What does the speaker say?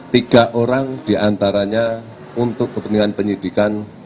tiga orang di antaranya untuk kepeningan penyidikan